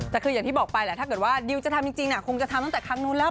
แต่คืออย่างที่บอกไปแหละถ้าเกิดว่าดิวจะทำจริงคงจะทำตั้งแต่ครั้งนู้นแล้ว